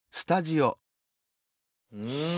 うん！